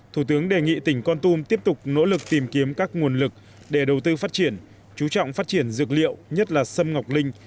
thủ tướng đề nghị tỉnh con tum tiếp tục nỗ lực tìm kiếm các nguồn lực để đầu tư phát triển chú trọng phát triển dược liệu nhất là sâm ngọc linh